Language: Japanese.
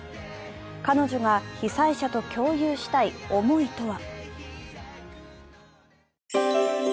彼女が被災者と共有したい思いとは。